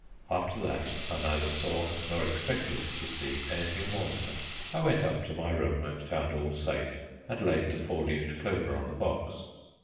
After that I neither saw nor expected to see anything more of her. I went up to my room and found all safe, and laid the four leaved clover on the box.